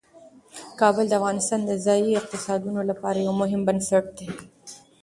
کابل د افغانستان د ځایي اقتصادونو لپاره یو مهم بنسټ دی.